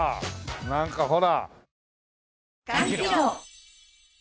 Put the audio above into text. なんかほら。